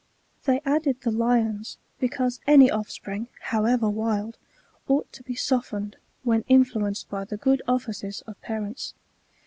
They added the lions, because any offspring, however wild, ought to be softened, when influenced by the good offices of parents.